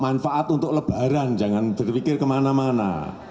manfaat untuk lebaran jangan berpikir kemana mana